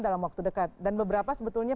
dalam waktu dekat dan beberapa sebetulnya